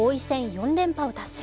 ４連覇を達成。